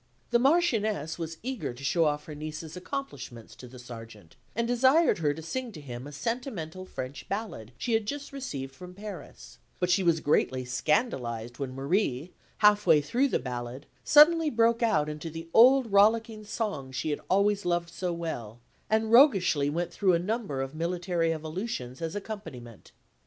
The Marchioness was eager to show off her niece's accomplishments to the Sergeant, and desired her to sing to him a sentimental French ballad she had just received from Paris; but she was greatly scandalised when Marie, half way through the ballad, suddenly broke out into the old rollicking song she had always loved so well, and roguishly went through a number of military evolutions as accompaniment.